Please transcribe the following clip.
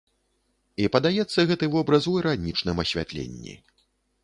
І падаецца гэты вобраз у іранічным асвятленні.